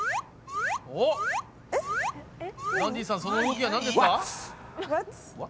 おっダンディさんその動きはなんですか？